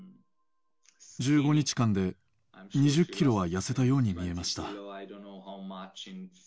１５日間で２０キロは痩せたように見えました。